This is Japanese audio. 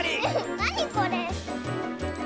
なにこれ？